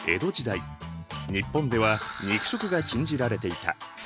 日本では肉食が禁じられていた。